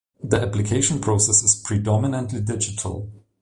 The application process is predominately digital.